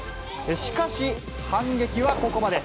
しかし、反撃はここまで。